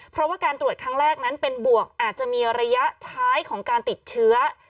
เพราะว่าการตรวจครั้งแรกนั้นเป็นบวกอาจจะมีระยะท้ายของการติดเชื้อ